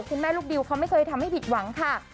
ลูกดิวเขาไม่เคยทำให้ผิดหวังค่ะ